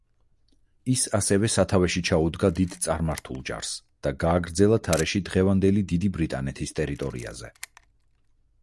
ის ასევე სათავეში ჩაუდგა დიდ წარმართულ ჯარს და გააგრძელა თარეში დღევანდელი დიდი ბრიტანეთის ტერიტორიაზე.